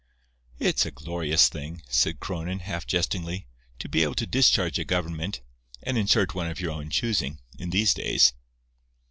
"It's a glorious thing," said Cronin, half jestingly, "to be able to discharge a government, and insert one of your own choosing, in these days."